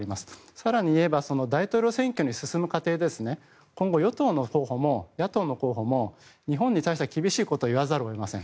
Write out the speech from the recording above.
更に言えば大統領選挙に進む過程で、今後与党の候補も野党の候補も日本に対しては厳しいことを言わざるを得ません。